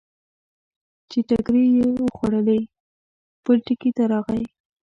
چې ټکرې یې وخوړلې، خپل ټکي ته راغی.